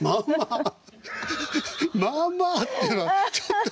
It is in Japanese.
まあまあっていうのはちょっと。